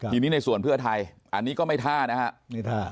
ทีนี้ในส่วนเพื่อไทยอันนี้ก็ไม่ท่านะครับ